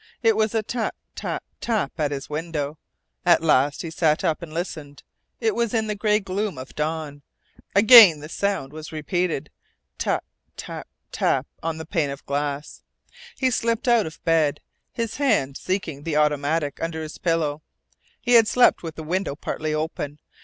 It was a tap, tap, tap at his window. At last he sat up and listened. It was in the gray gloom of dawn. Again the sound was repeated: tap, tap, tap on the pane of glass. He slipped out of bed, his hand seeking the automatic under his pillow. He had slept with the window partly open.